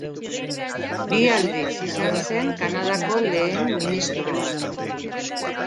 Bi aldiz izan zen Kanadako Lehen Ministroa.